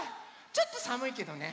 ちょっとさむいけどね。